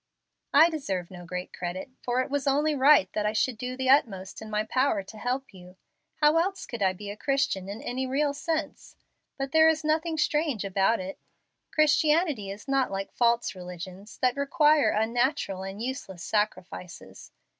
"I deserve no great credit, for it was only right that I should do the utmost in my power to help you. How else could I be a Christian in any real sense? But there is nothing strange about it. Christianity is not like false religions, that require unnatural and useless sacrifices.